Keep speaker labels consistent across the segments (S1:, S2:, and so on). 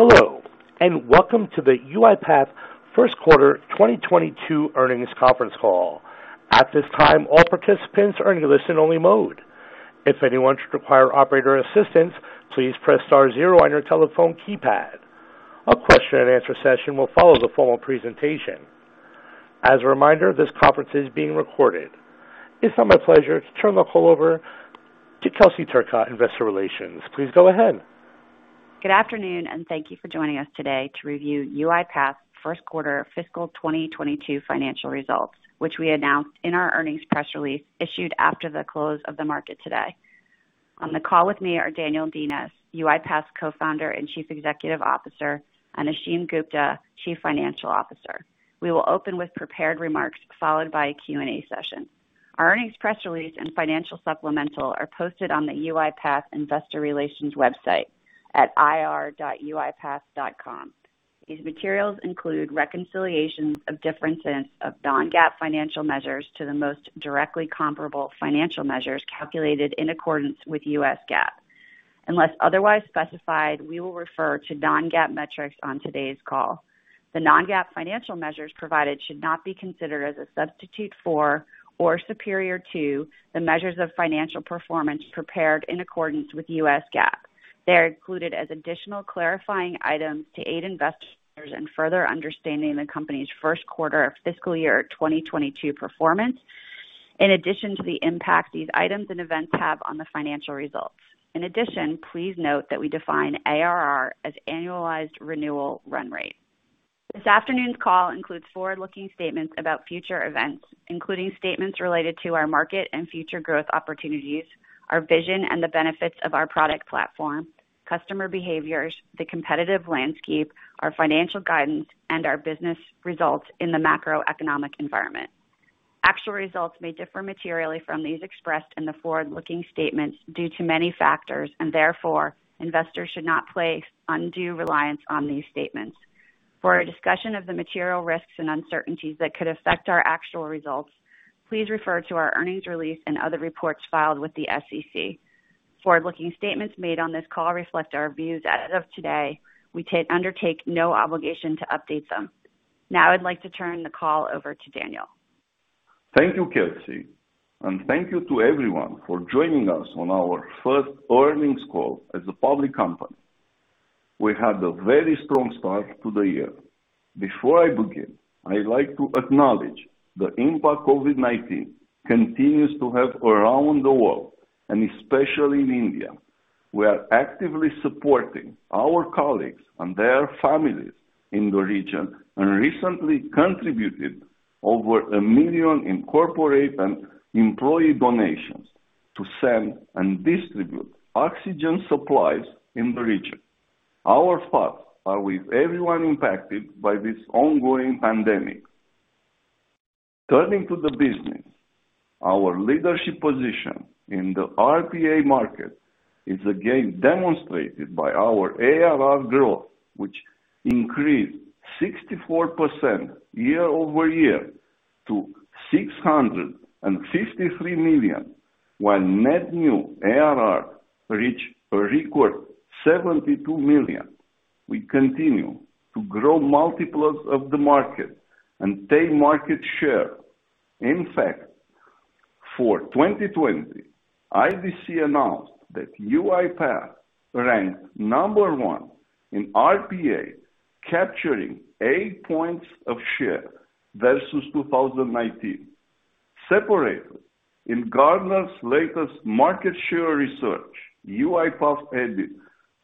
S1: Hello, and welcome to the UiPath First Quarter 2022 Earnings Conference Call. At this time our participants are in listen only mode. If anyone requires operators assistance please star zero on your telephone keypad a question and answer will follow after the presentation, as a reminder this conference is being recorded. It's now my pleasure to turn the call over to Kelsey Turcotte, Investor Relations. Please go ahead.
S2: Good afternoon, and thank you for joining us today to review UiPath first quarter fiscal 2022 financial results, which we announced in our earnings press release issued after the close of the market today. On the call with me are Daniel Dines, UiPath Co-founder and Chief Executive Officer, and Ashim Gupta, Chief Financial Officer. We will open with prepared remarks, followed by a Q&A session. Our earnings press release and financial supplemental are posted on the UiPath investor relations website at ir.uipath.com. These materials include reconciliations of differences of non-GAAP financial measures to the most directly comparable financial measures calculated in accordance with US GAAP. Unless otherwise specified, we will refer to non-GAAP metrics on today's call. The non-GAAP financial measures provided should not be considered as a substitute for or superior to the measures of financial performance prepared in accordance with US GAAP. They are included as additional clarifying items to aid investors in further understanding the company's first quarter of fiscal year 2022 performance. In addition to the impact these items and events have on the financial results. In addition, please note that we define ARR as annualized renewal run rate. This afternoon's call includes forward-looking statements about future events, including statements related to our market and future growth opportunities, our vision and the benefits of our product platform, customer behaviors, the competitive landscape, our financial guidance, and our business results in the macroeconomic environment. Actual results may differ materially from these expressed in the forward-looking statements due to many factors, and therefore investors should not place undue reliance on these statements. For a discussion of the material risks and uncertainties that could affect our actual results, please refer to our earnings release and other reports filed with the SEC. Forward-looking statements made on this call reflect our views as of today. We undertake no obligation to update them. I'd like to turn the call over to Daniel.
S3: Thank you, Kelsey, and thank you to everyone for joining us on our first earnings call as a public company. We had a very strong start to the year. Before I begin, I'd like to acknowledge the impact COVID-19 continues to have around the world, and especially in India. We are actively supporting our colleagues and their families in the region, and recently contributed over a million in corporate and employee donations to send and distribute oxygen supplies in the region. Our thoughts are with everyone impacted by this ongoing pandemic. Turning to the business. Our leadership position in the RPA market is again demonstrated by our ARR growth, which increased 64% year-over-year to $653 million, while net new ARR reached a record $72 million. We continue to grow multiples of the market and take market share. In fact, for 2020, IDC announced that UiPath ranked number one in RPA, capturing 8 points of share versus 2019. Separately, in Gartner's latest market share research, UiPath added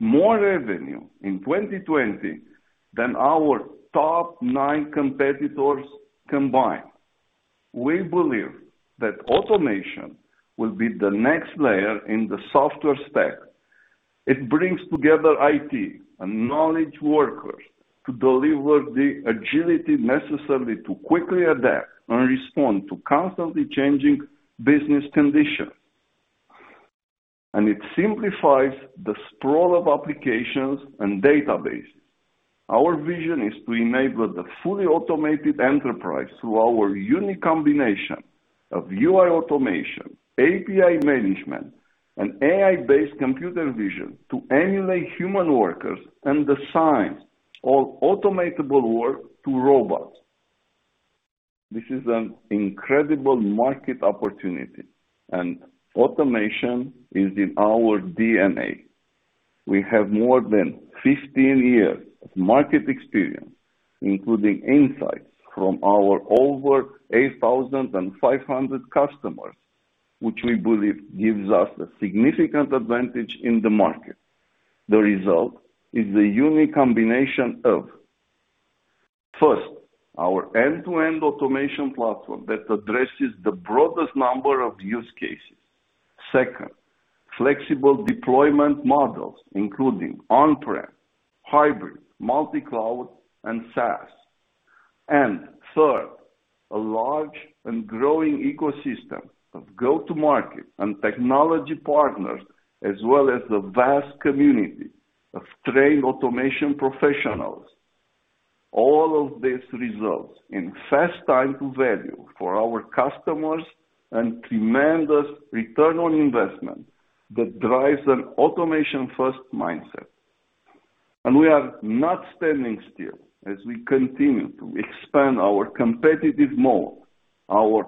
S3: more revenue in 2020 than our top nine competitors combined. We believe that automation will be the next layer in the software stack. It brings together IT and knowledge workers to deliver the agility necessary to quickly adapt and respond to constantly changing business conditions. It simplifies the sprawl of applications and databases. Our vision is to enable the fully automated enterprise through our unique combination of UI automation, API management, and AI-based computer vision to emulate human workers and assign all automatable work to robots. This is an incredible market opportunity, and automation is in our DNA. We have more than 15 years of market experience, including insights from our over 8,500 customers, which we believe gives us a significant advantage in the market. The result is a unique combination of, first, our end-to-end automation platform that addresses the broadest number of use cases. Second, flexible deployment models, including on-prem, hybrid, multi-cloud, and SaaS. Third, a large and growing ecosystem of go-to-market and technology partners, as well as the vast community of trained automation professionals. All of this results in fast time to value for our customers and tremendous return on investment that drives an automation-first mindset. We are not standing still as we continue to expand our competitive moat. Our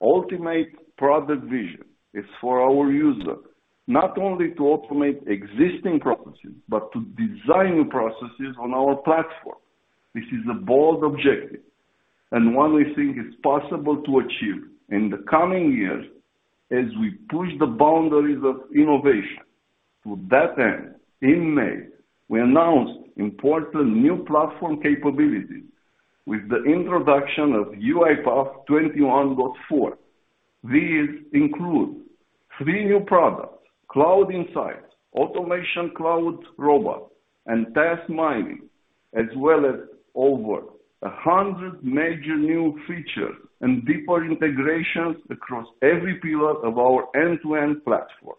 S3: ultimate product vision is for our user not only to automate existing processes, but to design processes on our platform. This is a bold objective and one we think is possible to achieve in the coming years as we push the boundaries of innovation. To that end, in May, we announced important new platform capabilities with the introduction of UiPath 21.4. These include three new products: Cloud Insights, Automation Cloud Robot, and Task Mining, as well as over 100 major new features and deeper integrations across every pillar of our end-to-end platform.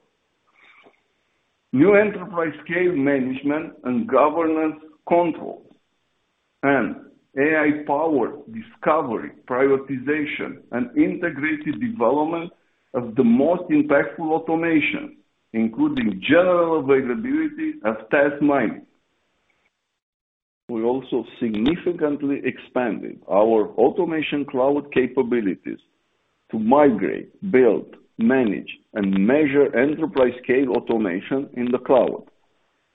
S3: New enterprise-scale management and governance controls and AI-powered discovery, prioritization, and integrated development of the most impactful automation, including general availability of Task Mining. We also significantly expanded our Automation Cloud capabilities to migrate, build, manage, and measure enterprise-scale automation in the cloud.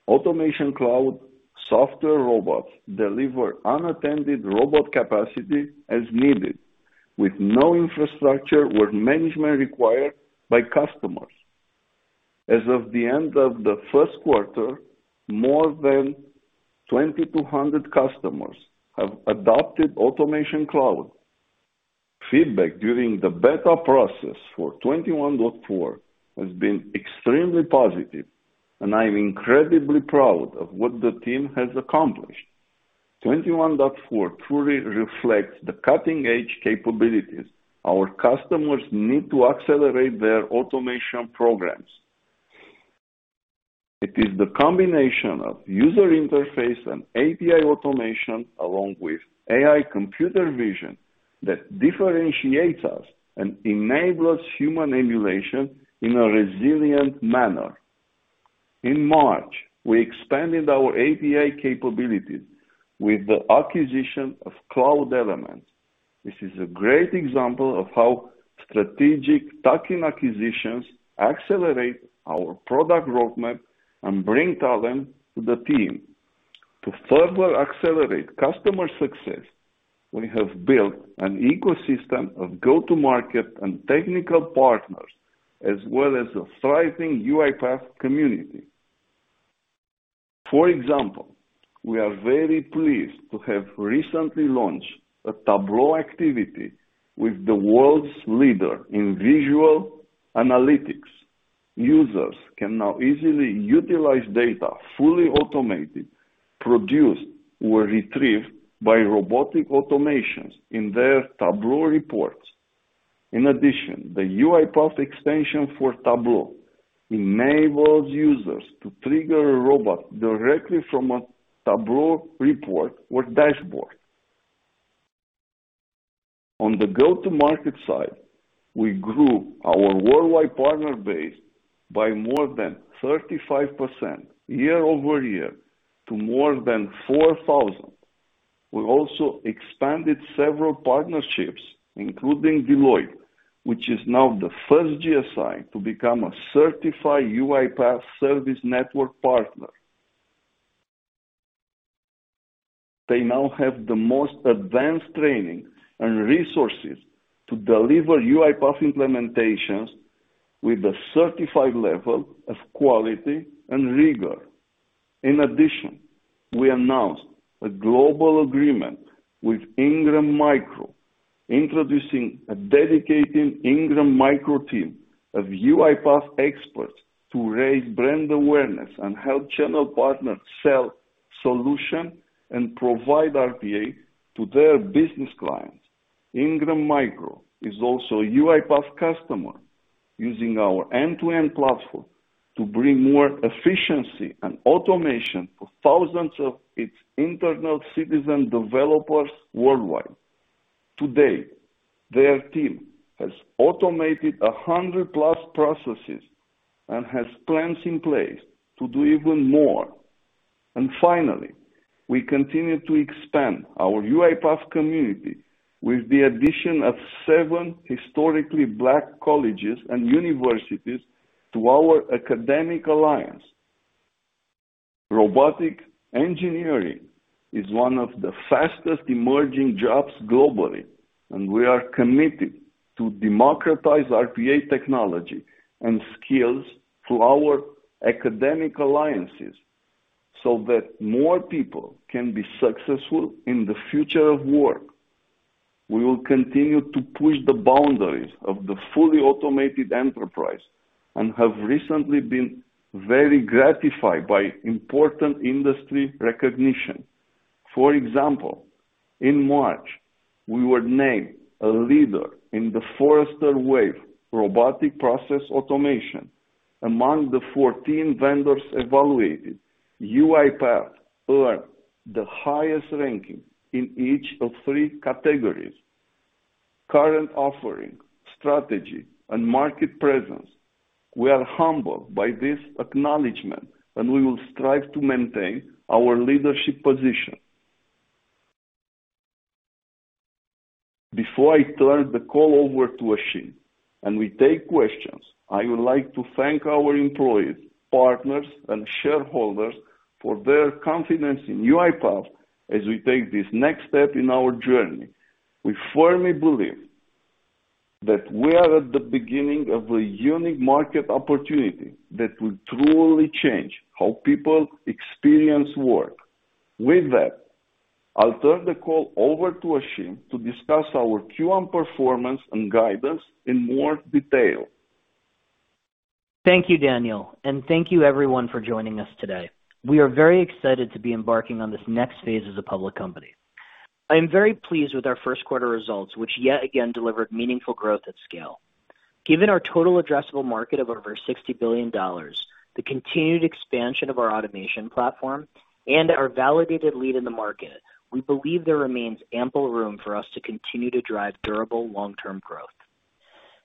S3: Automation Cloud software robots deliver unattended robot capacity as needed with no infrastructure or management required by customers. As of the end of the first quarter, more than 2,200 customers have adopted Automation Cloud. Feedback during the beta process for 21.4 has been extremely positive, and I am incredibly proud of what the team has accomplished. 21.4 truly reflects the cutting-edge capabilities our customers need to accelerate their automation programs. It is the combination of user interface and API automation along with AI computer vision that differentiates us and enables human emulation in a resilient manner. In March, we expanded our API capabilities with the acquisition of Cloud Elements. This is a great example of how strategic tuck-in acquisitions accelerate our product roadmap and bring talent to the team. To further accelerate customer success, we have built an an ecosystem of go-to-market and technical partners, as well as a thriving UiPath community. For example, we are very pleased to have recently launched a Tableau activity with the world's leader in visual analytics. Users can now easily utilize data, fully automated, produced or retrieved by robotic automations in their Tableau reports. In addition, the UiPath extension for Tableau enables users to trigger a robot directly from a Tableau report or dashboard. On the go-to-market side, we grew our worldwide partner base by more than 35% year-over-year to more than 4,000. We also expanded several partnerships, including Deloitte, which is now the first GSI to become a certified UiPath Service Network partner. They now have the most advanced training and resources to deliver UiPath implementations with a certified level of quality and rigor. We announced a global agreement with Ingram Micro, introducing a dedicated Ingram Micro team of UiPath experts to raise brand awareness and help channel partners sell solution and provide RPA to their business clients. Ingram Micro is also a UiPath customer using our end-to-end platform to bring more efficiency and automation to thousands of its internal citizen developers worldwide. Today, their team has automated 100+ processes and has plans in place to do even more. Finally, we continue to expand our UiPath community with the addition of seven Historically Black Colleges and Universities to our Academic Alliance. robotic engineering is one of the fastest emerging jobs globally, and we are committed to democratize RPA technology and skills through our Academic Alliances so that more people can be successful in the future of work. We will continue to push the boundaries of the fully automated enterprise and have recently been very gratified by important industry recognition. For example, in March, we were named a leader in the Forrester Wave Robotic Process Automation. Among the 14 vendors evaluated, UiPath earned the highest ranking in each of three categories: current offering, strategy, and market presence. We are humbled by this acknowledgment, and we will strive to maintain our leadership position. Before I turn the call over to Ashim and we take questions, I would like to thank our employees, partners, and shareholders for their confidence in UiPath as we take this next step in our journey. We firmly believe that we are at the beginning of a unique market opportunity that will truly change how people experience work. With that, I'll turn the call over to Ashim to discuss our Q1 performance and guidance in more detail.
S4: Thank you, Daniel, and thank you everyone for joining us today. We are very excited to be embarking on this next phase as a public company. I am very pleased with our first quarter results, which yet again delivered meaningful growth at scale. Given our total addressable market of over $60 billion, the continued expansion of our automation platform and our validated lead in the market, we believe there remains ample room for us to continue to drive durable long-term growth.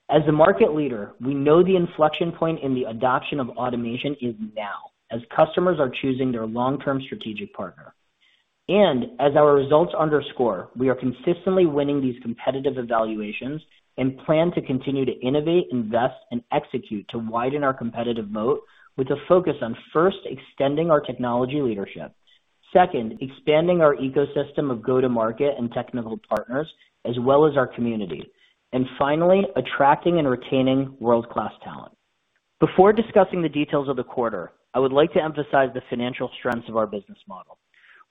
S4: As a market leader, we know the inflection point in the adoption of automation is now as customers are choosing their long-term strategic partner. As our results underscore, we are consistently winning these competitive evaluations and plan to continue to innovate, invest, and execute to widen our competitive moat with a focus on, first, extending our technology leadership. Second, expanding our ecosystem of go-to-market and technical partners as well as our community. Finally, attracting and retaining world-class talent. Before discussing the details of the quarter, I would like to emphasize the financial strengths of our business model.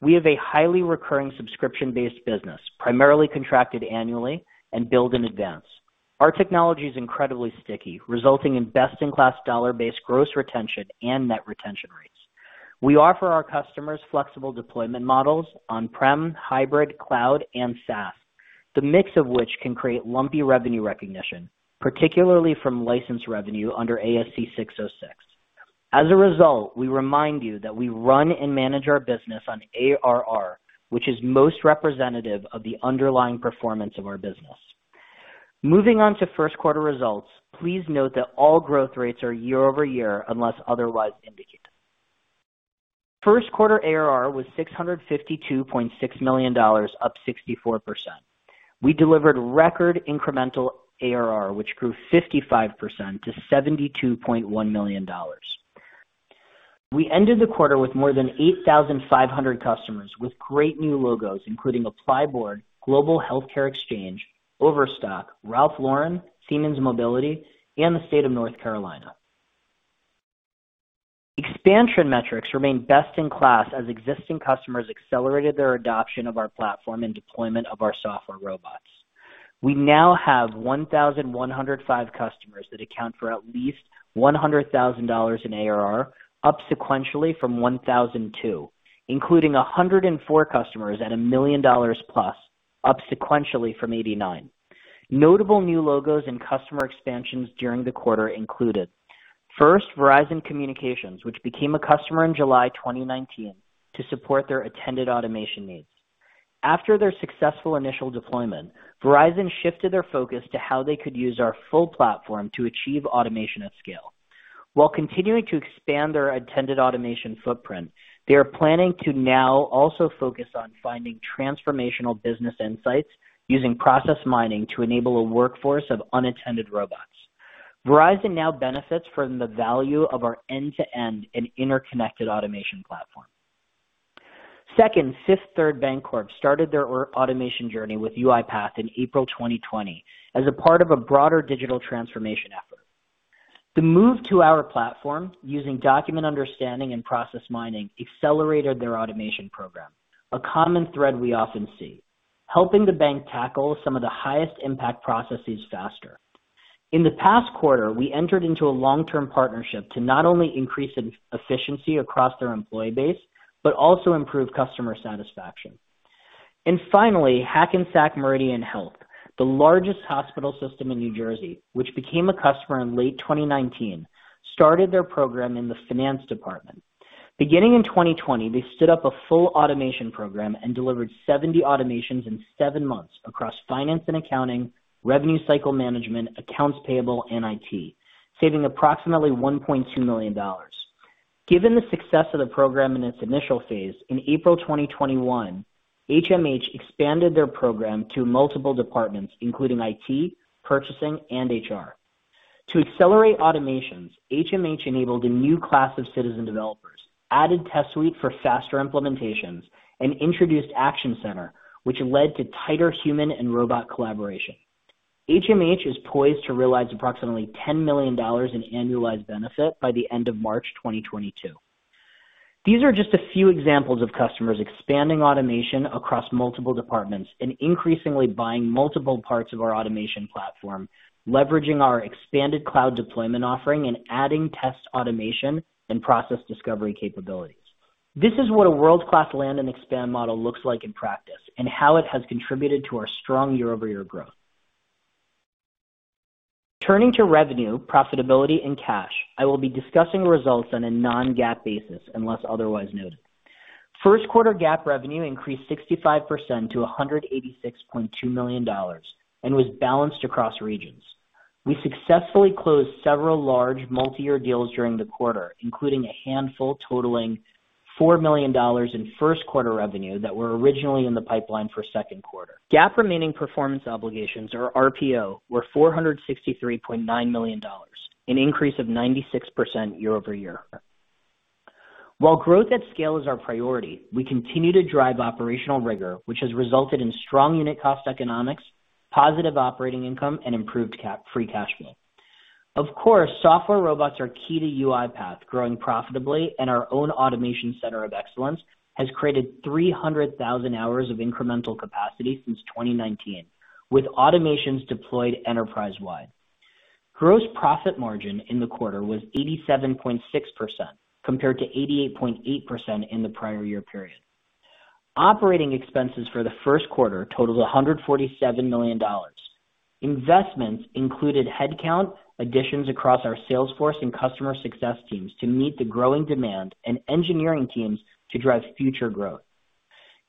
S4: We have a highly recurring subscription-based business, primarily contracted annually and billed in advance. Our technology is incredibly sticky, resulting in best-in-class dollar-based gross retention and net retention rates. We offer our customers flexible deployment models on-prem, hybrid, cloud, and SaaS, the mix of which can create lumpy revenue recognition, particularly from license revenue under ASC 606. As a result, we remind you that we run and manage our business on ARR, which is most representative of the underlying performance of our business. Moving on to first quarter results, please note that all growth rates are year-over-year unless otherwise indicated. First quarter ARR was $652.6 million, up 64%. We delivered record incremental ARR, which grew 55% to $72.1 million. We ended the quarter with more than 8,500 customers with great new logos, including ApplyBoard, Global Healthcare Exchange, Overstock, Ralph Lauren, Siemens Mobility, and the State of North Carolina. Expansion metrics remain best in class as existing customers accelerated their adoption of our platform and deployment of our software robots. We now have 1,105 customers that account for at least $100,000 in ARR, up sequentially from 1,002, including 104 customers at $1 million+, up sequentially from 89. Notable new logos and customer expansions during the quarter included, first, Verizon Communications, which became a customer in July 2019 to support their attended automation needs. After their successful initial deployment, Verizon shifted their focus to how they could use our full platform to achieve automation at scale. While continuing to expand their attended automation footprint, they are planning to now also focus on finding transformational business insights using Process Mining to enable a workforce of unattended robots. Verizon now benefits from the value of our end-to-end and interconnected automation platform. Second, Fifth Third Bancorp started their automation journey with UiPath in April 2020 as a part of a broader digital transformation effort. The move to our platform using Document Understanding and Process Mining accelerated their automation program, a common thread we often see, helping the bank tackle some of the highest impact processes faster. In the past quarter, we entered into a long-term partnership to not only increase efficiency across their employee base, but also improve customer satisfaction. Finally, Hackensack Meridian Health, the largest hospital system in New Jersey, which became a customer in late 2019, started their program in the finance department. Beginning in 2020, they stood up a full automation program and delivered 70 automations in seven months across finance and accounting, revenue cycle management, accounts payable, and IT, saving approximately $1.2 million. Given the success of the program in its initial phase, in April 2021, HMH expanded their program to multiple departments, including IT, purchasing, and HR. To accelerate automations, HMH enabled a new class of citizen developers, added Test Suite for faster implementations, and introduced Action Center, which led to tighter human and robot collaboration. HMH is poised to realize approximately $10 million in annualized benefit by the end of March 2022. These are just a few examples of customers expanding automation across multiple departments and increasingly buying multiple parts of our automation platform, leveraging our expanded cloud deployment offering and adding test automation and process discovery capabilities. This is what a world-class land and expand model looks like in practice and how it has contributed to our strong year-over-year growth. Turning to revenue, profitability, and cash, I will be discussing results on a non-GAAP basis unless otherwise noted. First quarter GAAP revenue increased 65% to $186.2 million and was balanced across regions. We successfully closed several large multi-year deals during the quarter, including a handful totaling $4 million in first quarter revenue that were originally in the pipeline for second quarter. GAAP remaining performance obligations or RPO were $463.9 million, an increase of 96% year-over-year. While growth at scale is our priority, we continue to drive operational rigor, which has resulted in strong unit cost economics, positive operating income, and improved free cash flow. Of course, software robots are key to UiPath growing profitably, and our own automation center of excellence has created 300,000 hours of incremental capacity since 2019, with automations deployed enterprise-wide. Gross profit margin in the quarter was 87.6% compared to 88.8% in the prior year period. Operating expenses for the first quarter totaled $147 million. Investments included headcount, additions across our sales force and customer success teams to meet the growing demand and engineering teams to drive future growth.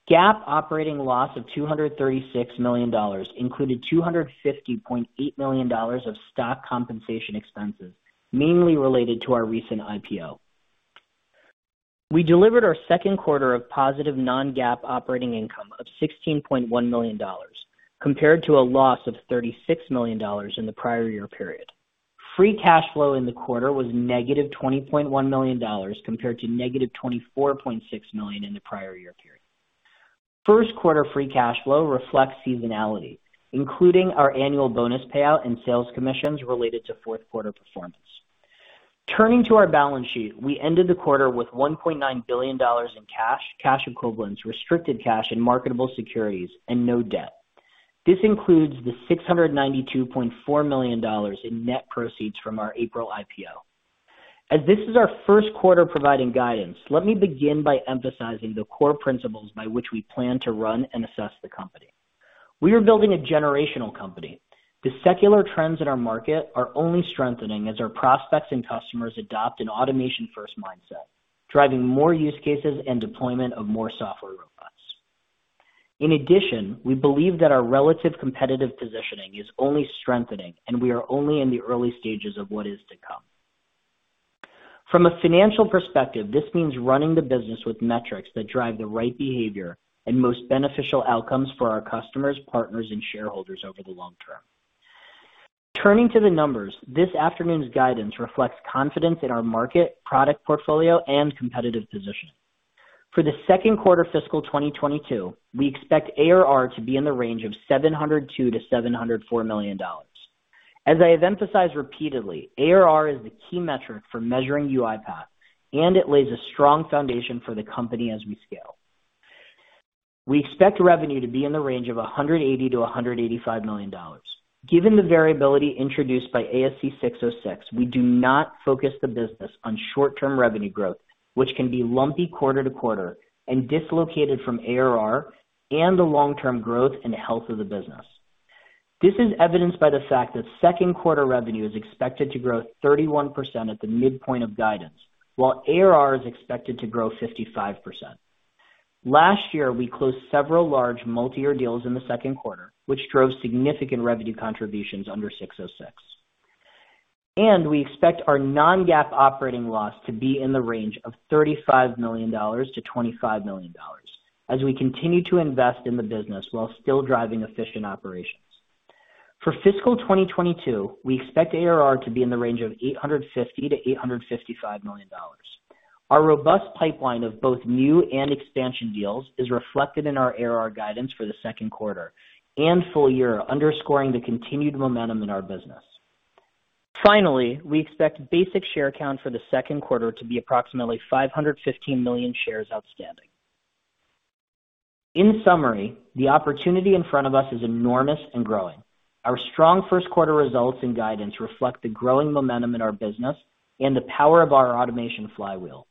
S4: GAAP operating loss of $236 million included $250.8 million of stock compensation expenses, mainly related to our recent IPO. We delivered our second quarter of positive non-GAAP operating income of $16.1 million compared to a loss of $36 million in the prior year period. Free cash flow in the quarter was -$20.1 million compared to -$24.6 million in the prior year period. First quarter free cash flow reflects seasonality, including our annual bonus payout and sales commissions related to fourth quarter performance. Turning to our balance sheet, we ended the quarter with $1.9 billion in cash, cash equivalents, restricted cash, and marketable securities and no debt. This includes the $692.4 million in net proceeds from our April IPO. As this is our first quarter providing guidance, let me begin by emphasizing the core principles by which we plan to run and assess the company. We are building a generational company. The secular trends in our market are only strengthening as our prospects and customers adopt an automation-first mindset, driving more use cases and deployment of more software robots. In addition, we believe that our relative competitive positioning is only strengthening, and we are only in the early stages of what is to come. From a financial perspective, this means running the business with metrics that drive the right behavior and most beneficial outcomes for our customers, partners, and shareholders over the long term. Turning to the numbers, this afternoon's guidance reflects confidence in our market, product portfolio, and competitive position. For the second quarter fiscal 2022, we expect ARR to be in the range of $702 million-$704 million. As I have emphasized repeatedly, ARR is the key metric for measuring UiPath, and it lays a strong foundation for the company as we scale. We expect revenue to be in the range of $180 million-$185 million. Given the variability introduced by ASC 606, we do not focus the business on short-term revenue growth, which can be lumpy quarter to quarter and dislocated from ARR and the long-term growth and health of the business. This is evidenced by the fact that second quarter revenue is expected to grow 31% at the midpoint of guidance, while ARR is expected to grow 55%. Last year, we closed several large multi-year deals in the second quarter, which drove significant revenue contributions under ASC 606. We expect our non-GAAP operating loss to be in the range of $35 million-$25 million as we continue to invest in the business while still driving efficient operations. For fiscal 2022, we expect ARR to be in the range of $850 million-$855 million. Our robust pipeline of both new and expansion deals is reflected in our ARR guidance for the second quarter and full year, underscoring the continued momentum in our business. Finally, we expect basic share count for the second quarter to be approximately 515 million shares outstanding. In summary, the opportunity in front of us is enormous and growing. Our strong first quarter results and guidance reflect the growing momentum in our business and the power of our automation flywheel.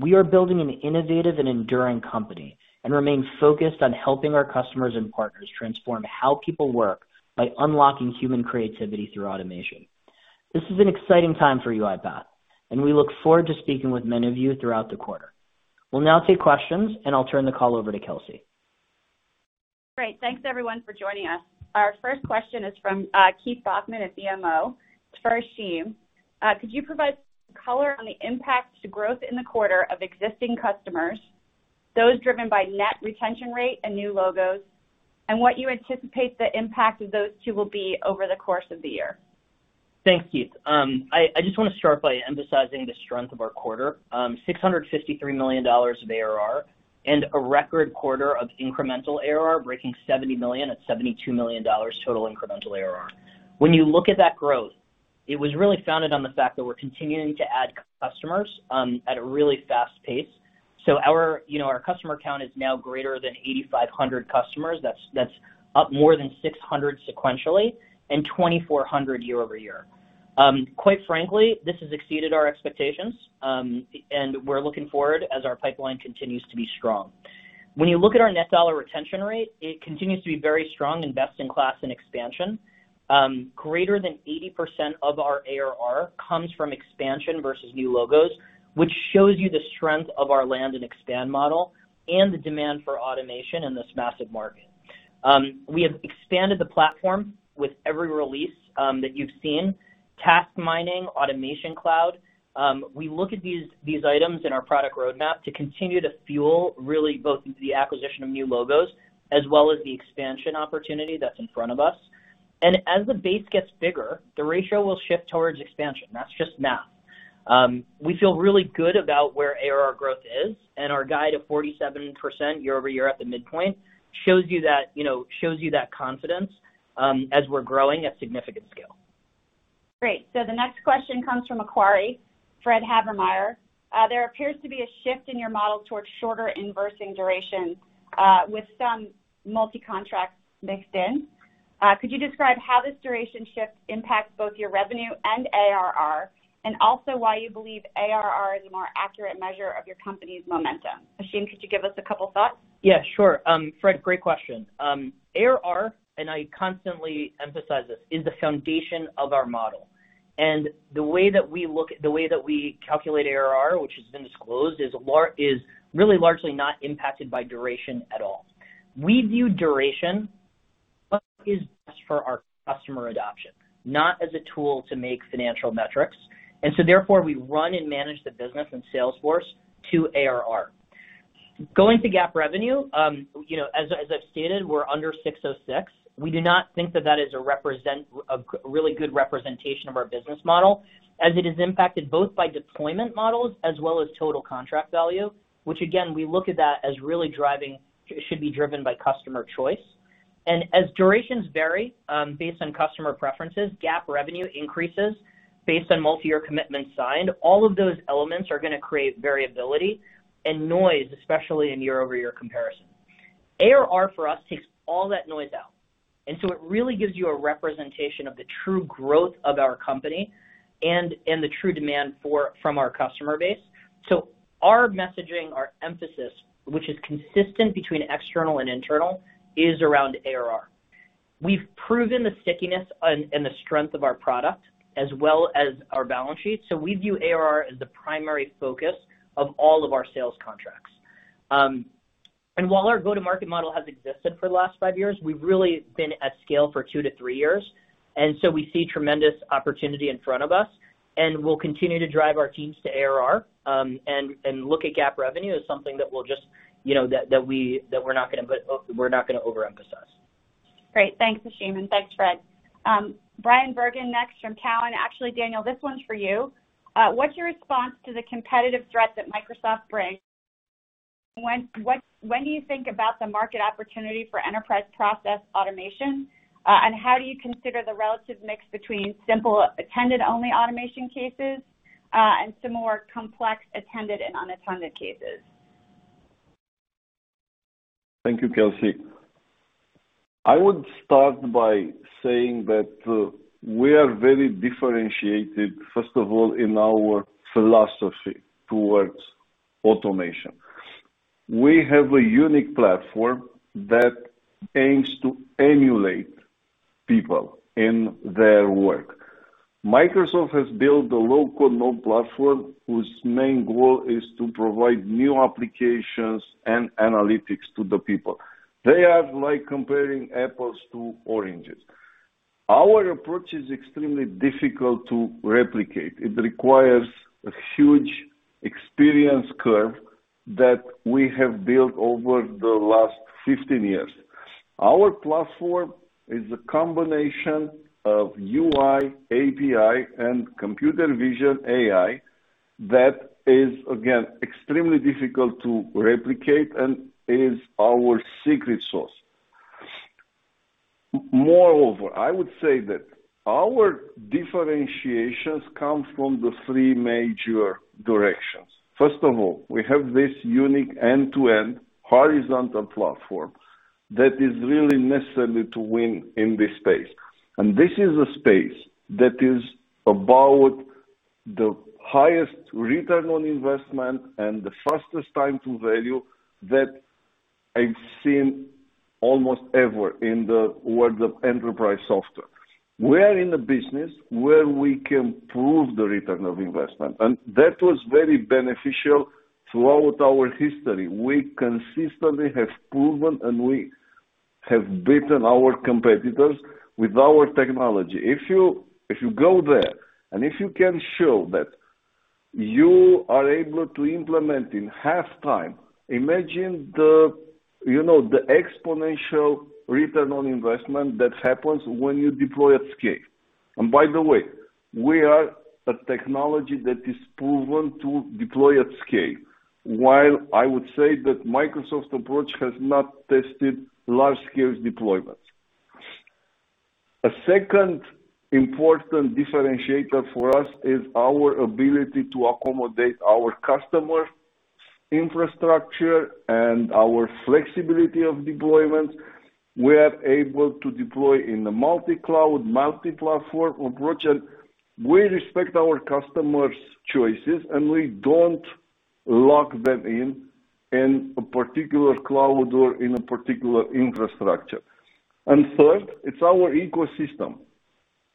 S4: We are building an innovative and enduring company and remain focused on helping our customers and partners transform how people work by unlocking human creativity through automation. This is an exciting time for UiPath, and we look forward to speaking with many of you throughout the quarter. We'll now take questions, and I'll turn the call over to Kelsey.
S2: Great. Thanks everyone for joining us. Our first question is from, Keith Bachman at BMO. For Ashim, could you provide color on the impact to growth in the quarter of existing customers, those driven by net retention rate and new logos, and what you anticipate the impact of those two will be over the course of the year?
S4: Thanks, Keith. I just wanna start by emphasizing the strength of our quarter. $653 million of ARR and a record quarter of incremental ARR breaking $70 million at $72 million total incremental ARR. When you look at that growth, it was really founded on the fact that we're continuing to add customers at a really fast pace. Our, you know, our customer count is now greater than 8,500 customers. That's up more than 600 sequentially and 2,400 year-over-year. Quite frankly, this has exceeded our expectations, and we're looking forward as our pipeline continues to be strong. When you look at our net dollar retention rate, it continues to be very strong and best in class in expansion. Greater than 80% of our ARR comes from expansion versus new logos, which shows you the strength of our land and expand model and the demand for automation in this massive market. We have expanded the platform with every release that you've seen. Task Mining, Automation Cloud. We look at these items in our product roadmap to continue to fuel really both the acquisition of new logos as well as the expansion opportunity that's in front of us. As the base gets bigger, the ratio will shift towards expansion. That's just math. We feel really good about where ARR growth is, and our guide of 47% year-over-year at the midpoint shows you that, you know, shows you that confidence as we're growing at significant scale.
S2: Great. The next question comes from Macquarie, Fred Havemeyer. There appears to be a shift in your model towards shorter iinvoicing duration, with some multi-contracts mixed in. Could you describe how this duration shift impacts both your revenue and ARR, and also why you believe ARR is a more accurate measure of your company's momentum? Ashim, could you give us a couple thoughts?
S4: Yeah, sure. Fred, great question. ARR, I constantly emphasize this, is the foundation of our model. The way that we look at the way that we calculate ARR, which has been disclosed, is really largely not impacted by duration at all. We view duration, what is best for our customer adoption, not as a tool to make financial metrics. Therefore, we run and manage the business and sales force to ARR. Going to GAAP revenue, you know, as I've stated, we're under ASC 606. We do not think that that is a really good representation of our business model, as it is impacted both by deployment models as well as total contract value, which again, we look at that as really it should be driven by customer choice. As durations vary, based on customer preferences, GAAP revenue increases based on multi-year commitments signed. All of those elements are going to create variability and noise, especially in year-over-year comparison. ARR for us takes all that noise out. So it really gives you a representation of the true growth of our company and the true demand from our customer base. So our messaging, our emphasis, which is consistent between external and internal, is around ARR. We've proven the stickiness and the strength of our product as well as our balance sheet. So we view ARR as the primary focus of all of our sales contracts. While our go-to-market model has existed for the last five years, we've really been at scale for two to three years. So we see tremendous opportunity in front of us, and we'll continue to drive our teams to ARR, and look at GAAP revenue as something that we'll just, you know, that we're not gonna overemphasize.
S2: Great. Thanks, Ashim, and thanks, Fred. Bryan Bergin next from Cowen. Actually, Daniel, this one's for you. What's your response to the competitive threat that Microsoft brings? When you think about the market opportunity for enterprise process automation, and how do you consider the relative mix between simple attended only automation cases, and some more complex attended and unattended cases?
S3: Thank you, Kelsey. I would start by saying that we are very differentiated, first of all, in our philosophy towards automation. We have a unique platform that aims to emulate people in their work. Microsoft has built a low-code, no-platform, whose main goal is to provide new applications and analytics to the people. They are like comparing apples to oranges. Our approach is extremely difficult to replicate. It requires a huge experience curve that we have built over the last 15 years. Our platform is a combination of UI, API, and computer vision AI that is, again, extremely difficult to replicate and is our secret sauce. Moreover, I would say that our differentiations come from the three major directions. First of all, we have this unique end-to-end horizontal platform that is really necessary to win in this space. This is a space that is about the highest return on investment and the fastest time to value that I've seen almost ever in the world of enterprise software. We are in a business where we can prove the return on investment, and that was very beneficial throughout our history. We consistently have proven, and we have beaten our competitors with our technology. If you go there, and if you can show that you are able to implement in half time, imagine the, you know, the exponential return on investment that happens when you deploy at scale. By the way, we are a technology that is proven to deploy at scale, while I would say that Microsoft's approach has not tested large-scale deployments. A second important differentiator for us is our ability to accommodate our customers' infrastructure and our flexibility of deployment, we are able to deploy in the multi-cloud, multi-platform approach, and we respect our customers' choices, and we don't lock them in a particular cloud or in a particular infrastructure. Third, it's our ecosystem,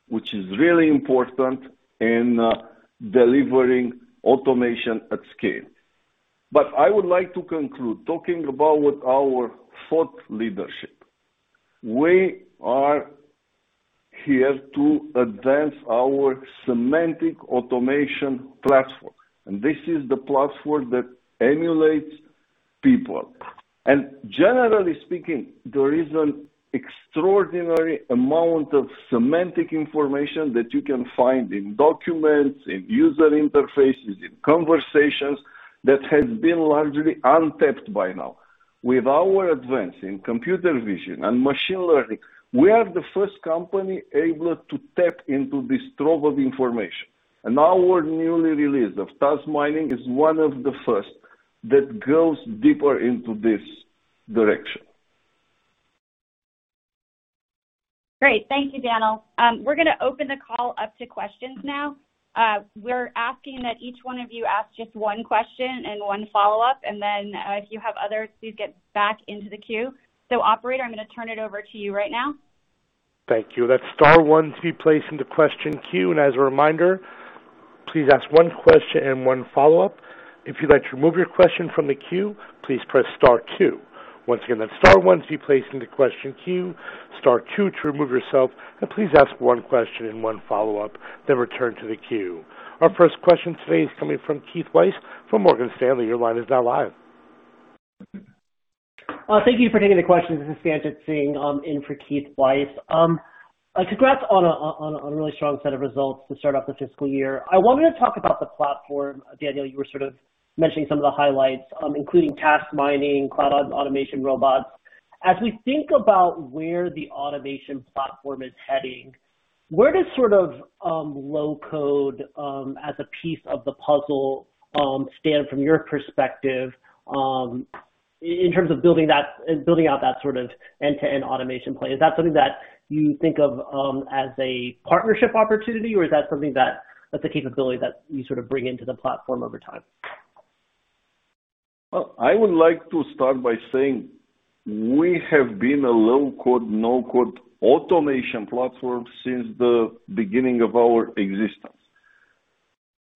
S3: which is really important in delivering automation at scale. I would like to conclude talking about what our thought leadership. We are here to advance our semantic automation platform, and this is the platform that emulates people. Generally speaking, there is an extraordinary amount of semantic information that you can find in documents, in user interfaces, in conversations that has been largely untapped by now. With our advance in computer vision and machine learning, we are the first company able to tap into this trove of information. Our newly released of Task Mining is one of the first that goes deeper into this direction.
S2: Great. Thank you, Daniel. We're gonna open the call up to questions now. We're asking that each one of you ask just one question and one follow-up, and then, if you have others, please get back into the queue. Operator, I'm gonna turn it over to you right now.
S1: Thank you. That's star one to be placed into question queue. As a reminder, please ask one question and one follow-up. If you'd like to remove your question from the queue, please press star two. Once again, that's star one to be placed into question queue, star two to remove yourself, and please ask one question and one follow-up, then return to the queue. Our first question today is coming from Keith Weiss from Morgan Stanley. Your line is now live.
S5: Thank you for taking the question. This is Sanjit Singh, in for Keith Weiss. Congrats on a really strong set of results to start off the fiscal year. I wanted to talk about the platform. Daniel, you were sort of mentioning some of the highlights, including Task Mining, Automation Cloud Robots. As we think about where the automation platform is heading, where does sort of low code as a piece of the puzzle stand from your perspective in terms of building out that sort of end-to-end automation play? Is that something that you think of as a partnership opportunity, or is that something that's a capability that you sort of bring into the platform over time?
S3: I would like to start by saying we have been a low-code/no-code automation platform since the beginning of our existence.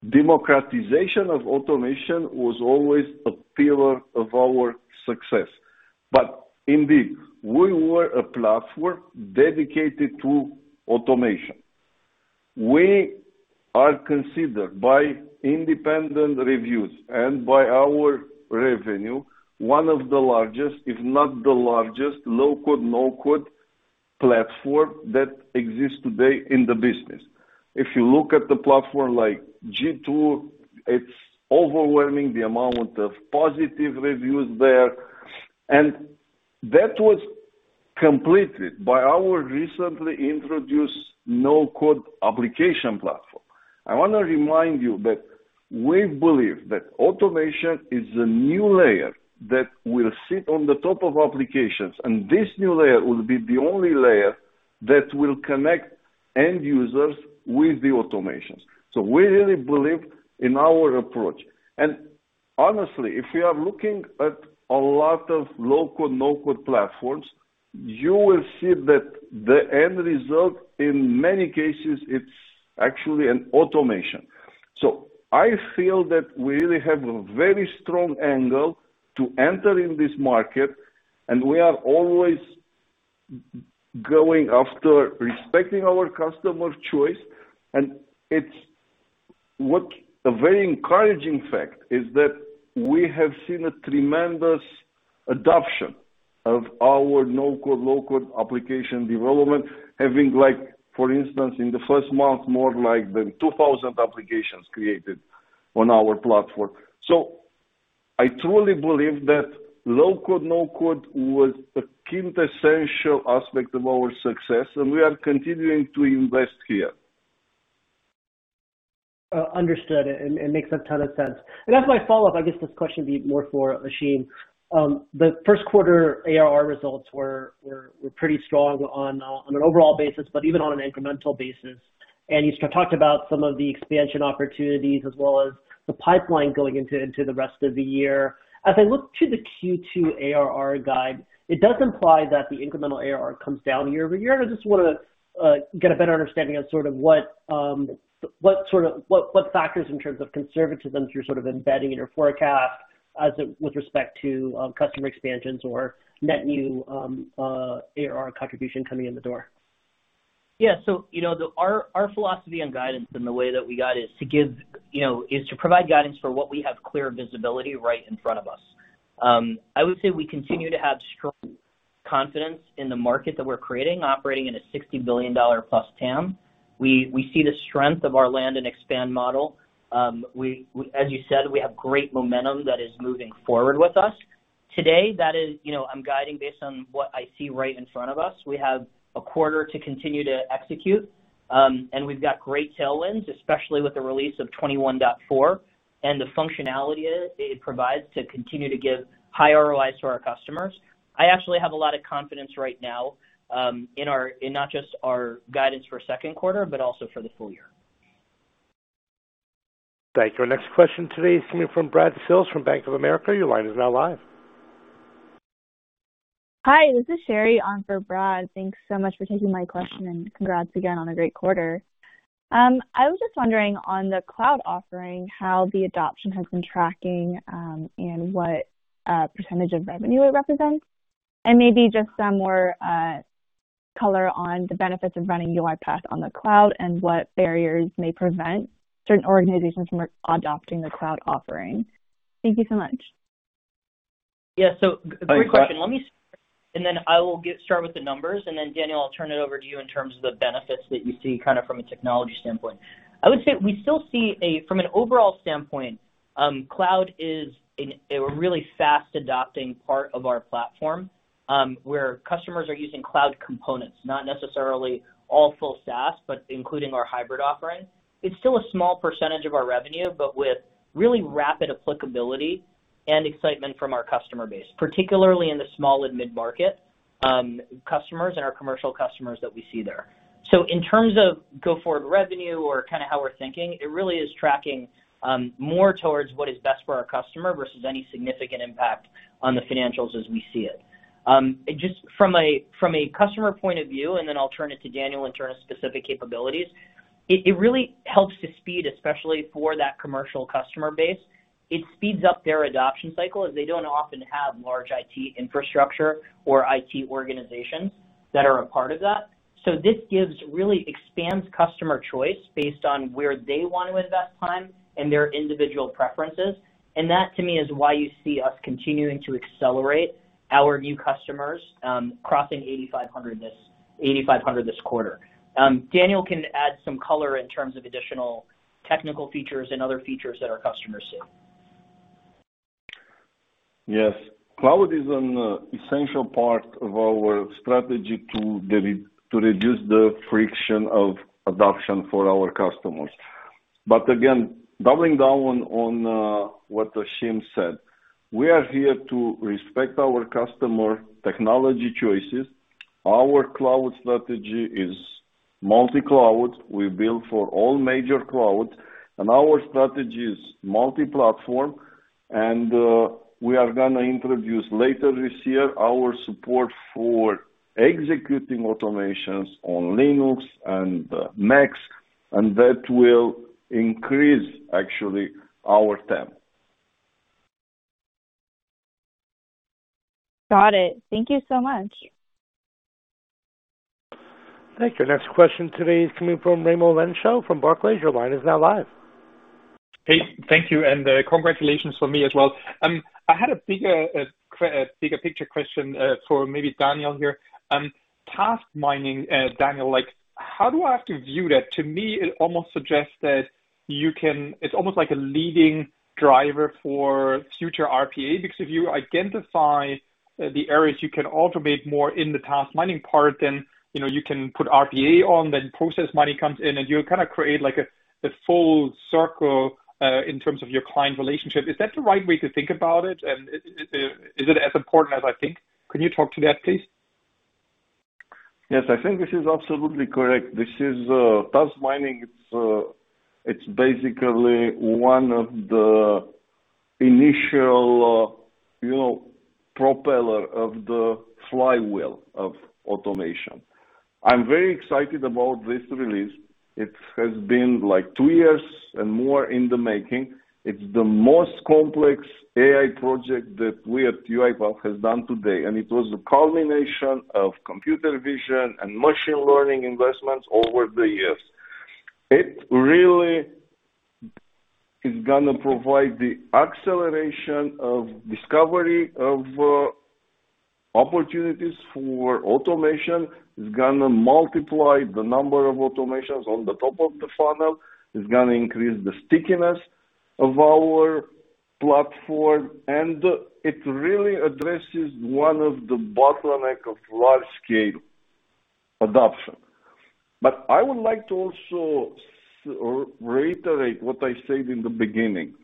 S3: Democratization of automation was always a pillar of our success. Indeed, we were a platform dedicated to automation. We are considered by independent reviews and by our revenue, one of the largest, if not the largest, low-code/no-code platform that exists today in the business. If you look at the platform like G2, it's overwhelming the amount of positive reviews there. That was completed by our recently introduced no-code application platform. I want to remind you that we believe that automation is a new layer that will sit on the top of applications, and this new layer will be the only layer that will connect end users with the automations. We really believe in our approach. Honestly, if you are looking at a lot of low-code/no-code platforms, you will see that the end result in many cases, it's actually an automation. I feel that we really have a very strong angle to enter in this market, and we are always going after respecting our customer choice. What a very encouraging fact is that we have seen a tremendous adoption of our no-code/low-code application development having, like, for instance, in the first month, more than 2,000 applications created on our platform. I truly believe that low-code/no-code was a quintessential aspect of our success, and we are continuing to invest here.
S5: Understood. It makes a ton of sense. As my follow-up, I guess this question would be more for Ashim. The first quarter ARR results were pretty strong on an overall basis, but even on an incremental basis. You sort of talked about some of the expansion opportunities as well as the pipeline going into the rest of the year. I look to the Q2 ARR guide, it does imply that the incremental ARR comes down year over year. I just wanna get a better understanding of sort of what factors in terms of conservatism you're sort of embedding in your forecast with respect to customer expansions or net new ARR contribution coming in the door.
S4: Our philosophy on guidance and the way that we guide is to provide guidance for what we have clear visibility right in front of us. I would say we continue to have strong confidence in the market that we're creating, operating in a $60 billion+TAM. We see the strength of our land and expand model. We, as you said, we have great momentum that is moving forward with us. Today, that is, I'm guiding based on what I see right in front of us. We have a quarter to continue to execute, and we've got great tailwinds, especially with the release of 21.4 and the functionality it provides to continue to give high ROIs to our customers. I actually have a lot of confidence right now, in not just our guidance for second quarter, but also for the full year.
S1: Thank you. Our next question today is coming from Brad Sills from Bank of America. Your line is now live.
S6: Hi, this is Sherry on for Brad. Thanks so much for taking my question, and congrats again on a great quarter. I was just wondering on the cloud offering, how the adoption has been tracking, and what percentage of revenue it represents. Maybe just some more color on the benefits of running UiPath on the cloud and what barriers may prevent certain organizations from adopting the cloud offering. Thank you so much.
S4: Yeah. Great question. Then I will start with the numbers, then Daniel, I'll turn it over to you in terms of the benefits that you see kind of from a technology standpoint. I would say we still see From an overall standpoint, cloud is a really fast adopting part of our platform, where customers are using cloud components, not necessarily all full SaaS, but including our hybrid offering. It's still a small percentage of our revenue, but with really rapid applicability and excitement from our customer base, particularly in the small and mid-market, customers and our commercial customers that we see there. In terms of go forward revenue or kind of how we're thinking, it really is tracking more towards what is best for our customer versus any significant impact on the financials as we see it. From a customer point of view, and then I'll turn it to Daniel in terms of specific capabilities. It really helps to speed, especially for that commercial customer base. It speeds up their adoption cycle as they don't often have large IT infrastructure or IT organizations that are a part of that. This gives, really expands customer choice based on where they want to invest time and their individual preferences. That, to me, is why you see us continuing to accelerate our new customers, crossing 8,500 this quarter. Daniel can add some color in terms of additional technical features and other features that our customers see.
S3: Yes. Cloud is an essential part of our strategy to reduce the friction of adoption for our customers. Again, doubling down on what Ashim said, we are here to respect our customer technology choices. Our cloud strategy is multi-cloud. We build for all major clouds, and our strategy is multi-platform, and we are gonna introduce later this year our support for executing automations on Linux and Mac, and that will increase actually our TAM.
S6: Got it. Thank you so much.
S1: Thank you. Next question today is coming from Raimo Lenschow from Barclays. Your line is now live.
S7: Hey, thank you. Congratulations from me as well. I had a bigger picture question for maybe Daniel here. Task mining, Daniel, like how do I have to view that? To me, it almost suggests that it's almost like a leading driver for future RPA because if you identify the areas you can automate more in the Task Mining part, you know, you can put RPA on, Process Mining comes in, and you kind of create like a full circle in terms of your client relationship. Is that the right way to think about it? Is it as important as I think? Can you talk to that, please?
S3: Yes. I think this is absolutely correct. This is task mining. It's basically one of the initial, you know, propeller of the flywheel of automation. I'm very excited about this release. It has been like two-years and more in the making. It's the most complex AI project that we at UiPath has done today, and it was the culmination of computer vision and machine learning investments over the years. It really is gonna provide the acceleration of discovery of opportunities for automation. It's gonna multiply the number of automations on the top of the funnel. It's gonna increase the stickiness of our platform, and it really addresses one of the bottleneck of large scale adoption. I would like to also reiterate what I said in the beginning.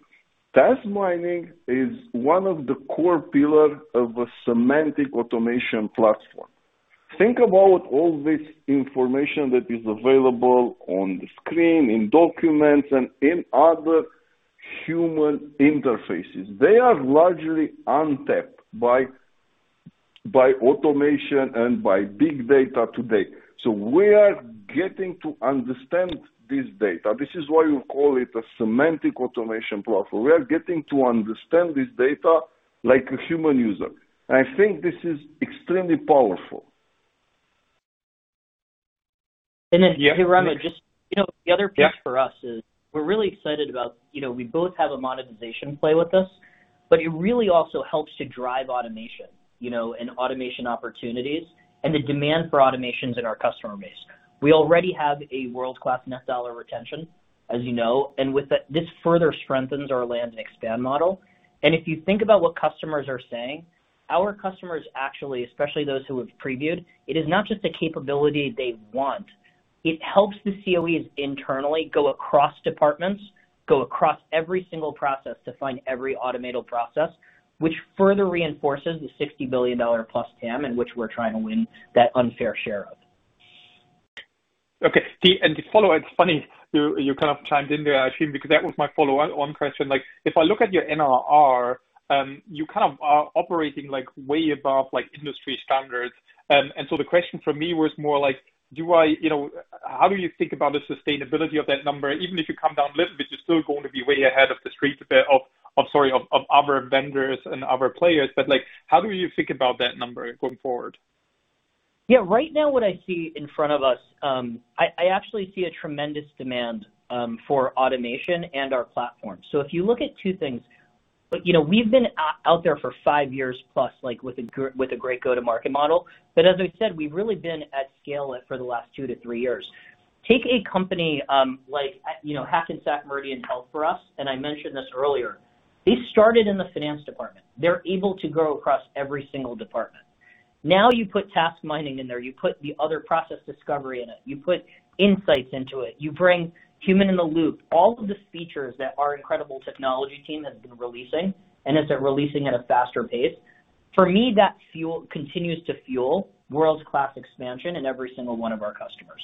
S3: Task Mining is one of the core pillar of a semantic automation platform. Think about all this information that is available on the screen, in documents, and in other human interfaces. They are largely untapped by automation and by big data today. We are getting to understand this data. This is why you call it a semantic automation platform. We are getting to understand this data like a human user. I think this is extremely powerful.
S4: And then-
S7: Yeah.
S4: Hey, Raimo, just, you know, the other piece for us is we're really excited about, you know, we both have a monetization play with this, but it really also helps to drive automation, you know, and automation opportunities and the demand for automations in our customer base. We already have a world-class net dollar retention, as you know. With that, this further strengthens our land and expand model. If you think about what customers are saying. Our customers actually, especially those who have previewed, it is not just the capability they want. It helps the COEs internally go across departments, go across every single process to find every automated process, which further reinforces the $60 billion+ TAM in which we're trying to win that unfair share of.
S7: Okay. To follow, it's funny you kind of chimed in there, Ashim, because that was my follow on question. Like, if I look at your NRR, you kind of are operating like way above like industry standards. The question for me was more like, do I, you know, how do you think about the sustainability of that number? Even if you come down a little bit, you're still going to be way ahead of the street, of sorry, of other vendors and other players. Like, how do you think about that number going forward?
S4: Yeah. Right now, what I see in front of us, I actually see a tremendous demand for automation and our platform. You know, we've been out there for five-years+, like, with a great go-to-market model. As I said, we've really been at scale for the last two to three years. Take a company, like, you know, Hackensack Meridian Health for us, and I mentioned this earlier. They started in the finance department. They're able to grow across every single department. Now you put Task Mining in there, you put the other Process Mining in it, you put Insights into it, you bring human-in-the-loop, all of the features that our incredible technology team has been releasing, and as they're releasing at a faster pace. For me, that fuel continues to fuel world-class expansion in every single one of our customers.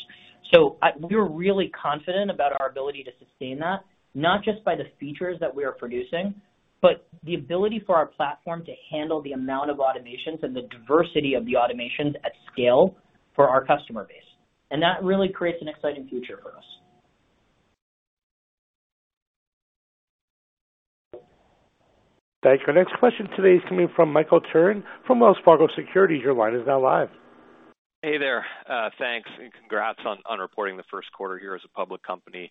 S4: We're really confident about our ability to sustain that, not just by the features that we are producing, but the ability for our platform to handle the amount of automations and the diversity of the automations at scale for our customer base. That really creates an exciting future for us.
S1: Thanks. Our next question today is coming from Michael Turrin from Wells Fargo Securities. Your line is now live.
S8: Hey there. Thanks, and congrats on reporting the first quarter here as a public company.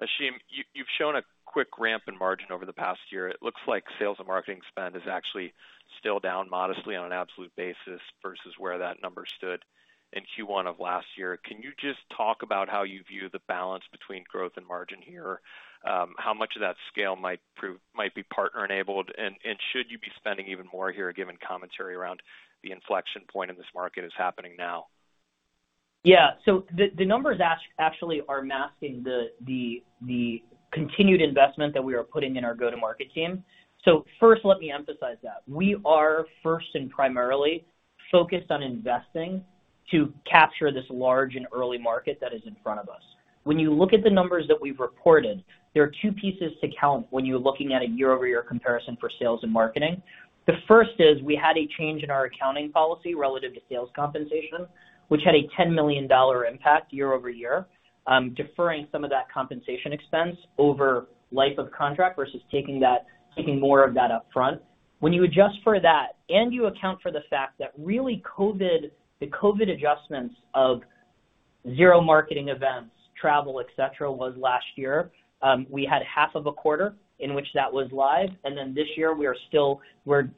S8: Ashim, you've shown a quick ramp in margin over the past year. It looks like sales and marketing spend is actually still down modestly on an absolute basis versus where that number stood in Q1 of last year. Can you just talk about how you view the balance between growth and margin here? How much of that scale might be partner-enabled? Should you be spending even more here, given commentary around the inflection point in this market is happening now?
S4: Yeah. The numbers actually are masking the continued investment that we are putting in our go-to-market team. First, let me emphasize that. We are first and primarily focused on investing to capture this large and early market that is in front of us. When you look at the numbers that we've reported, there are two pieces to count when you're looking at a year-over-year comparison for sales and marketing. The first is we had a change in our accounting policy relative to sales compensation, which had a $10 million impact year-over-year, deferring some of that compensation expense over life of contract versus taking more of that up front. When you adjust for that and you account for the fact that really COVID, the COVID adjustments of zero marketing events, travel, et cetera, was last year, we had half of a quarter in which that was live. This year we're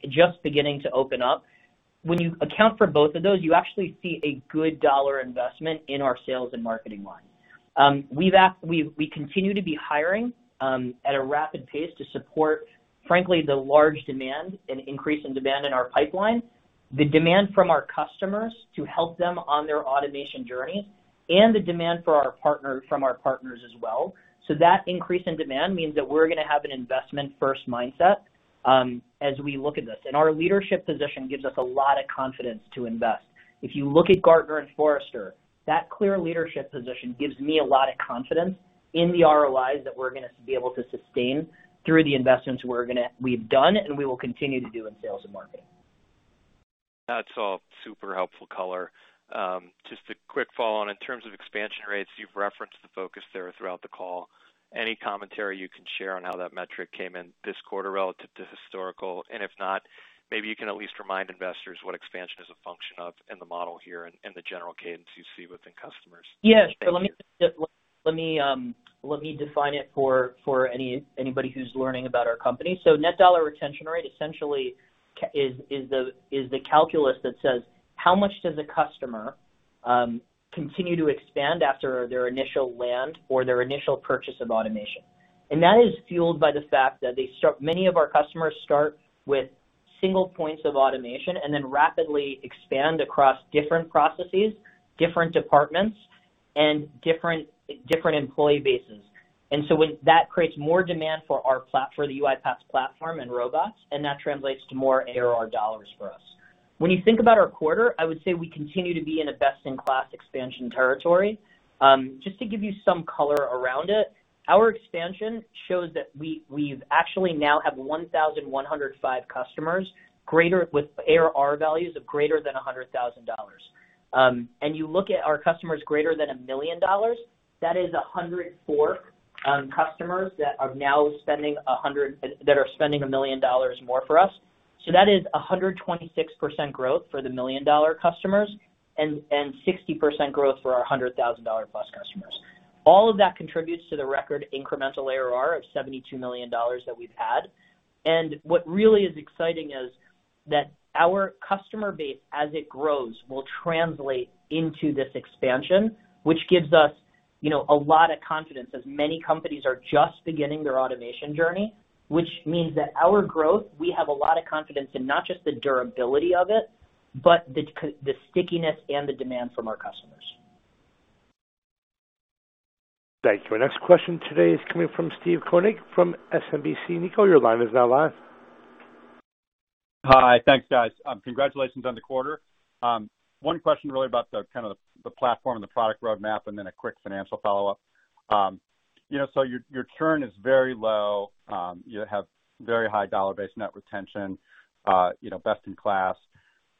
S4: just beginning to open up. When you account for both of those, you actually see a good dollar investment in our sales and marketing line. We continue to be hiring at a rapid pace to support, frankly, the large demand and increase in demand in our pipeline, the demand from our customers to help them on their automation journeys, and the demand from our partners as well. That increase in demand means that we're gonna have an investment-first mindset as we look at this. Our leadership position gives us a lot of confidence to invest. If you look at Gartner and Forrester, that clear leadership position gives me a lot of confidence in the ROIs that we're gonna be able to sustain through the investments we've done and we will continue to do in sales and marketing.
S8: That's all super helpful color. Just a quick follow-on. In terms of expansion rates, you've referenced the focus there throughout the call. Any commentary you can share on how that metric came in this quarter relative to historical? If not, maybe you can at least remind investors what expansion is a function of in the model here and the general cadence you see within customers.
S4: Yeah, Let me define it for anybody who's learning about our company. Net dollar retention rate essentially is the calculus that says, how much does a customer continue to expand after their initial land or their initial purchase of automation? That is fueled by the fact that many of our customers start with single points of automation and then rapidly expand across different processes, different departments, and different employee bases. That creates more demand for the UiPath platform and robots, and that translates to more ARR dollar for us. When you think about our quarter, I would say we continue to be in a best-in-class expansion territory. Just to give you some color around it, our expansion shows that we've actually now have 1,105 customers with ARR values of greater than $100,000. And you look at our customers greater than $1 million, that is 104 customers that are now spending $1 million more for us. That is 126% growth for the million-dollar customers and 60% growth for our $100,000+ customers. All of that contributes to the record incremental ARR of $72 million that we've had. What really is exciting is that our customer base, as it grows, will translate into this expansion, which gives us, you know, a lot of confidence as many companies are just beginning their automation journey, which means that our growth, we have a lot of confidence in not just the durability of it, but the stickiness and the demand from our customers.
S1: Thank you. Our next question today is coming from Steve Koenig from SMBC Nikko. Your line is now live.
S9: Hi. Thanks, guys. Congratulations on the quarter. One question really about the kind of the platform and the product roadmap, then a quick financial follow-up. You know, so your churn is very low. You have very high dollar-based net retention, you know, best in class.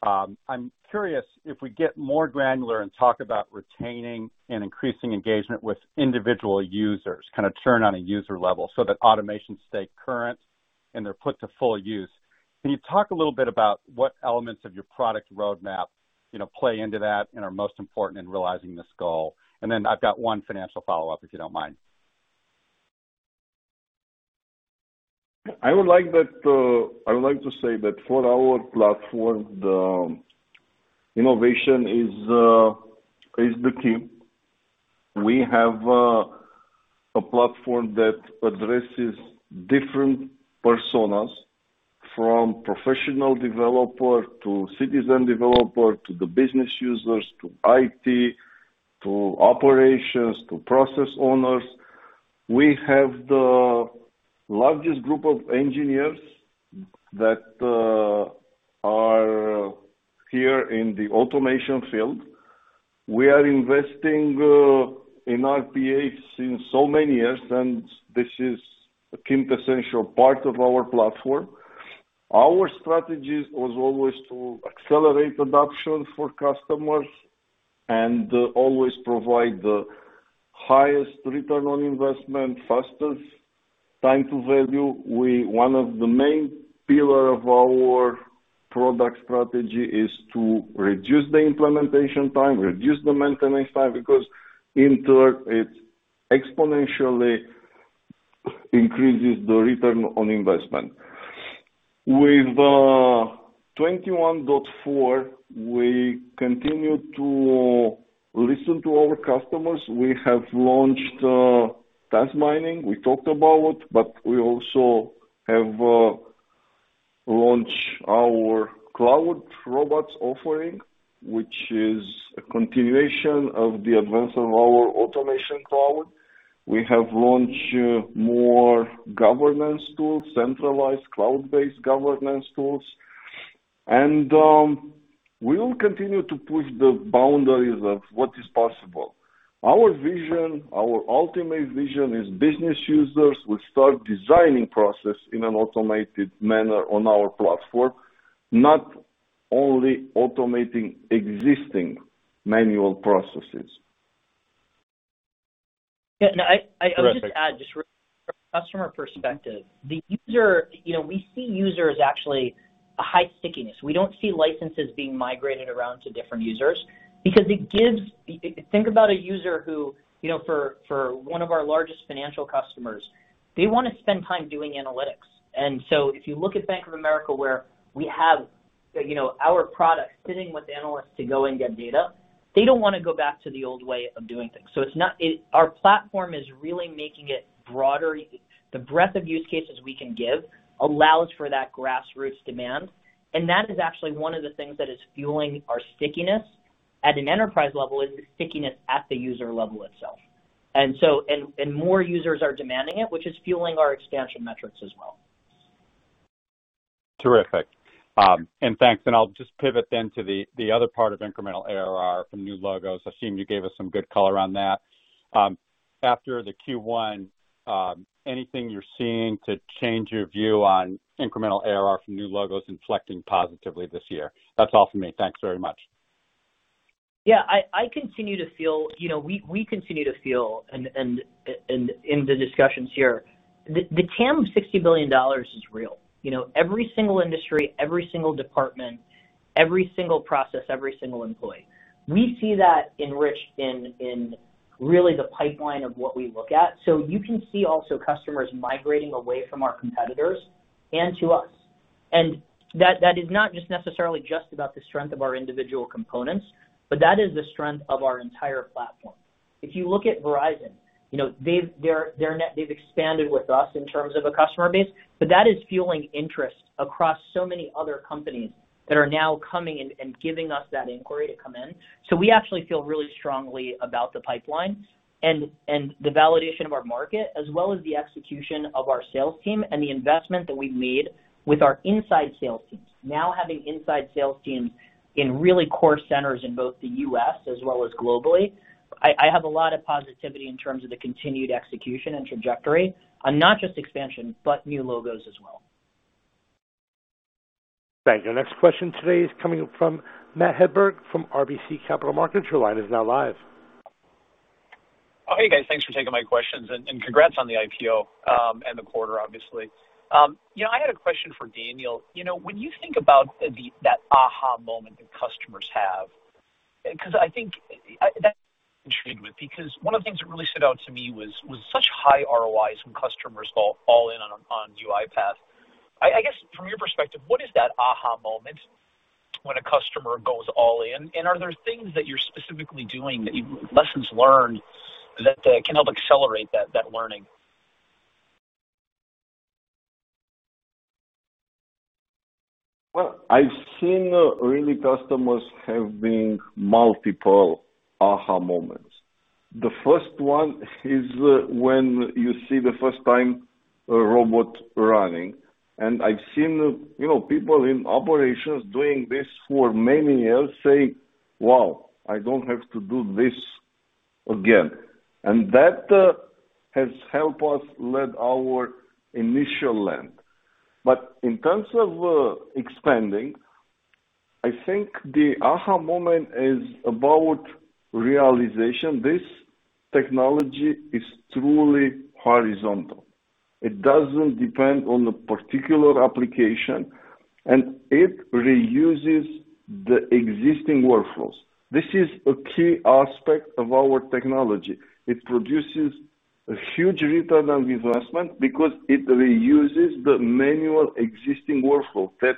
S9: I'm curious if we get more granular and talk about retaining and increasing engagement with individual users, kind of churn on a user level so that automations stay current and they're put to full use. Can you talk a little bit about what elements of your product roadmap, you know, play into that and are most important in realizing this goal? Then I've got one financial follow-up, if you don't mind.
S3: I would like to say that for our platform, the innovation is the key. We have a platform that addresses different personas, from professional developer to citizen developer, to the business users, to IT, to operations, to process owners. We have the largest group of engineers that are here in the automation field. We are investing in RPA since so many years, and this is a quintessential part of our platform. Our strategies was always to accelerate adoption for customers and always provide the highest return on investment, fastest time to value. One of the main pillar of our product strategy is to reduce the implementation time, reduce the maintenance time, because in turn it exponentially increases the return on investment. With 21.4, we continue to listen to our customers. We have launched, Task Mining, we talked about, but we also have, launched our Cloud Robots offering, which is a continuation of the advancement of our Automation Cloud. We have launched, more governance tools, centralized cloud-based governance tools. We'll continue to push the boundaries of what is possible. Our vision, our ultimate vision is business users will start designing process in an automated manner on our platform, not only automating existing manual processes.
S4: Yeah, no, I'll just add just from customer perspective, the user, you know, we see users actually a high stickiness. We don't see licenses being migrated around to different users because it gives think about a user who, you know, for one of our largest financial customers, they wanna spend time doing analytics. If you look at Bank of America, where we have, you know, our product sitting with analysts to go and get data, they don't wanna go back to the old way of doing things. Our platform is really making it broader. The breadth of use cases we can give allows for that grassroots demand, and that is actually one of the things that is fueling our stickiness at an enterprise level is the stickiness at the user level itself. More users are demanding it, which is fueling our expansion metrics as well.
S9: Terrific. Thanks. I'll just pivot then to the other part of incremental ARR from new logos. I assume you gave us some good color on that. After the Q1, anything you're seeing to change your view on incremental ARR from new logos inflecting positively this year? That's all from me. Thanks very much.
S4: I continue to feel, you know, we continue to feel and in the discussions here, the TAM of $60 billion is real. You know, every single industry, every single department, every single process, every single employee. We see that enriched in really the pipeline of what we look at. You can see also customers migrating away from our competitors and to us. That is not just necessarily just about the strength of our individual components, but that is the strength of our entire platform. If you look at Verizon, you know, they've expanded with us in terms of a customer base, but that is fueling interest across so many other companies that are now coming and giving us that inquiry to come in. We actually feel really strongly about the pipeline and the validation of our market, as well as the execution of our sales team and the investment that we've made with our inside sales teams. Now having inside sales teams in really core centers in both the U.S. as well as globally, I have a lot of positivity in terms of the continued execution and trajectory on not just expansion, but new logos as well.
S1: Thank you. Next question today is coming from Matt Hedberg from RBC Capital Markets. Your line is now live.
S10: Hey, guys. Thanks for taking my questions and congrats on the IPO and the quarter, obviously. You know, I had a question for Daniel. You know, when you think about that aha moment that customers have, when a customer goes all in. Are there things that you're specifically doing that you've Lessons learned that can help accelerate that learning?
S3: Well, I've seen really customers having multiple aha moments. The first one is when you see the first time a robot running. I've seen, you know, people in operations doing this for many years saying, "Wow, I don't have to do this again." That has helped us lead our initial land. In terms of expanding, I think the aha moment is about realization. This technology is truly horizontal. It doesn't depend on a particular application, and it reuses the existing workflows. This is a key aspect of our technology. It produces a huge return of investment because it reuses the manual existing workflow that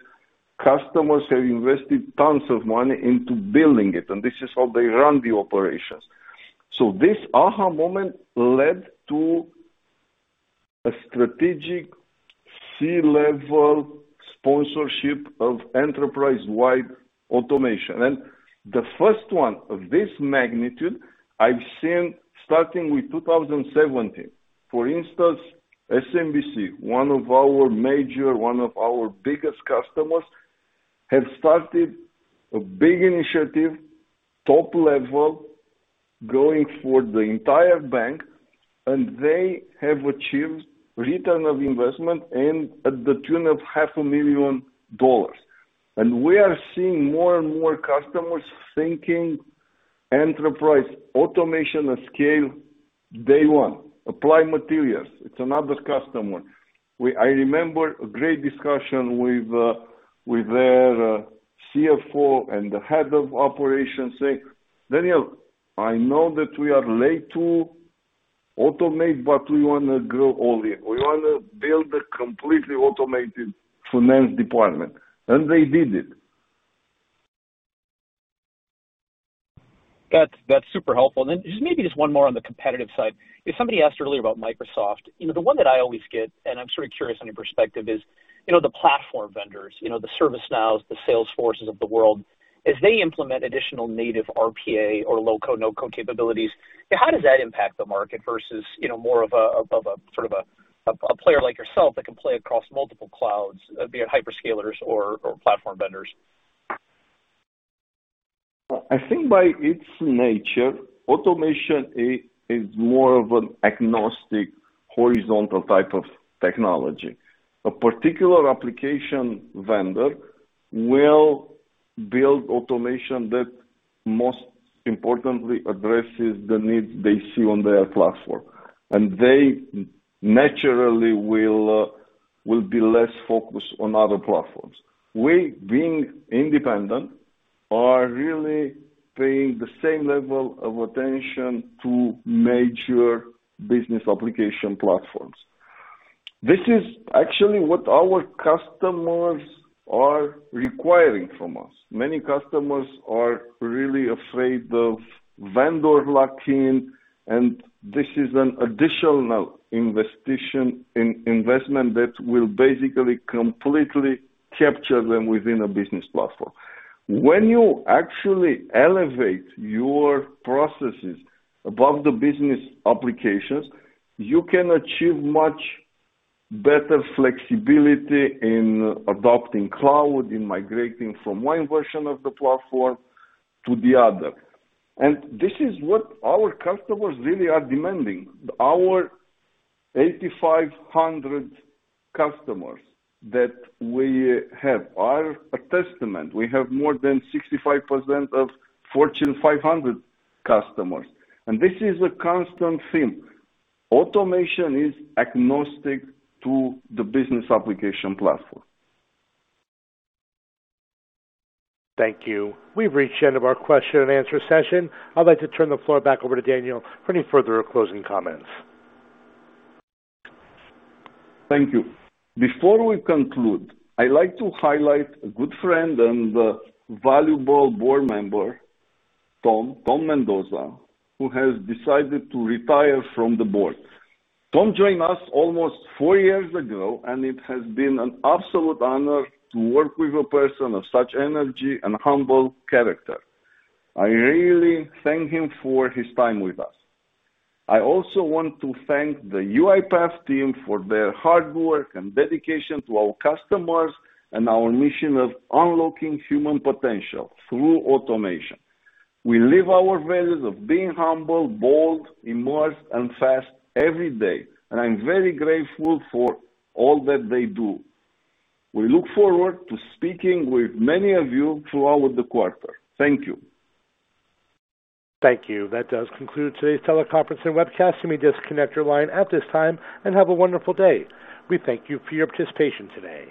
S3: customers have invested tons of money into building it, and this is how they run the operations. This aha moment led to a strategic C-level sponsorship of enterprise-wide automation. The first one of this magnitude I've seen starting with 2017. For instance, SMBC, one of our major, one of our biggest customers, have started a big initiative, top level, going for the entire bank, and they have achieved return of investment in at the tune of $500,000. We are seeing more and more customers thinking enterprise automation at scale day one. Applied Materials, it's another customer. I remember a great discussion with their CFO and the Head of Operations saying, "Daniel, I know that we are late to automate, but we wanna grow only. We wanna build a completely automated finance department." They did it.
S10: That's super helpful. Just maybe just one more on the competitive side. Somebody asked earlier about Microsoft. You know, the one that I always get, and I'm sort of curious on your perspective, is, you know, the platform vendors, you know, the ServiceNow, the Salesforces of the world. As they implement additional native RPA or low-code/no-code capabilities, how does that impact the market versus, you know, more of a, sort of a player like yourself that can play across multiple clouds, be it hyperscalers or platform vendors?
S3: I think by its nature, automation is more of an agnostic, horizontal type of technology. A particular application vendor will build automation that most importantly addresses the needs they see on their platform, and they naturally will be less focused on other platforms. We, being independent, are really paying the same level of attention to major business application platforms. This is actually what our customers are requiring from us. Many customers are really afraid of vendor lock-in. This is an additional investment that will basically completely capture them within a business platform. When you actually elevate your processes above the business applications, you can achieve much better flexibility in adopting cloud, in migrating from one version of the platform to the other. This is what our customers really are demanding. Our 8,500 customers that we have are a testament. We have more than 65% of Fortune 500 customers, and this is a constant theme. Automation is agnostic to the business application platform.
S1: Thank you. We've reached the end of our question and answer session. I'd like to turn the floor back over to Daniel for any further closing comments.
S3: Thank you. Before we conclude, I'd like to highlight a good friend and a valuable board member, Tom Mendoza, who has decided to retire from the board. Tom joined us almost four years ago, and it has been an absolute honor to work with a person of such energy and humble character. I really thank him for his time with us. I also want to thank the UiPath team for their hard work and dedication to our customers and our mission of unlocking human potential through automation. We live our values of being humble, bold, immersed, and fast every day, and I'm very grateful for all that they do. We look forward to speaking with many of you throughout the quarter. Thank you.
S1: Thank you. That does conclude today's teleconference and webcast. You may disconnect your line at this time, and have a wonderful day. We thank you for your participation today.